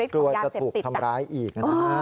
กลัวจะถูกทำร้ายอีก